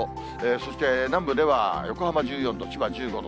そして南部では横浜１４度、千葉１５度。